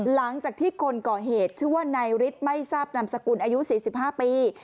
หลังจากที่คนก่อเหตุชื่อว่านายฤทธิ์ไม่ทราบนามสกุลอายุ๔๕ปี